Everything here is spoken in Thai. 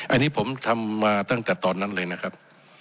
อันนี้ผมทำมาตั้งแต่ตอนนั้นเลยนะครับ